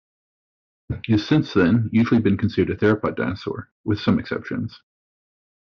It has since then usually been considered a theropod dinosaur, with some exceptions.